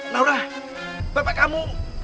naura bapak kamu